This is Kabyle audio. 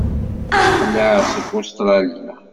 Yeqleɛ seg Ustṛalya.